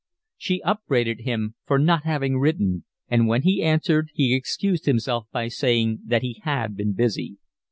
She upbraided him for not having written, and when he answered he excused himself by saying that he had been busy.